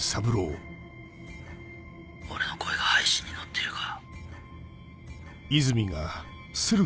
俺の声が配信にのっているか？